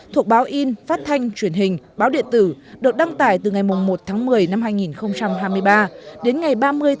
thuộc báo in phát thanh truyền hình báo điện tử đột đăng tải từ ngày một một mươi hai nghìn hai mươi ba đến ngày ba mươi chín hai nghìn hai mươi bốn